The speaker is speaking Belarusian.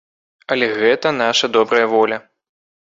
Але гэта наша добрая воля.